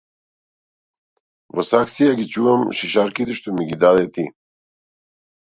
Во саксија ги чувам шишарките што ми ги даде ти.